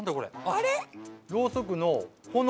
あれ？